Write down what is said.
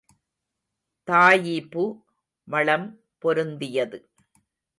தாயிபு வளம் பொருந்தியது.